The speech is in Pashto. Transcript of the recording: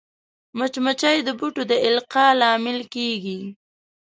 مچمچۍ د بوټو د القاح لامل کېږي